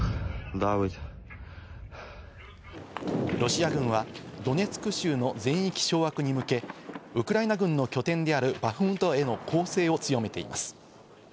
ロシア軍はドネツク州の全域掌握に向け、ウクライナ軍の拠点であるバフムトへの攻勢を強めています。